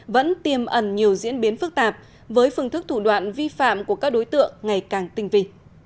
vẫn tiêm ẩn nhiều diễn biến phức tạp với phương thức thủ đoạn vi phạm của các đối tượng ngày càng tinh vi